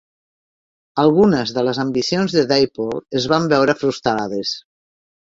Algunes de les ambicions de Dapol es van veure frustrades.